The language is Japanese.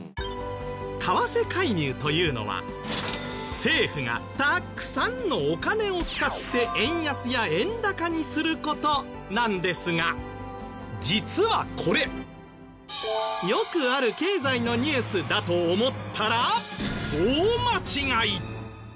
為替介入というのは政府がたくさんのお金を使って円安や円高にする事なんですが実はこれよくある経済のニュースだと思ったら大間違い！